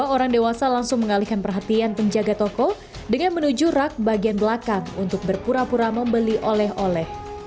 dua orang dewasa langsung mengalihkan perhatian penjaga toko dengan menuju rak bagian belakang untuk berpura pura membeli oleh oleh